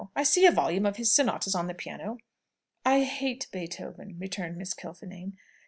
I see a volume of his sonatas on the piano." "I hate Beethoven," returned Miss Kilfinane.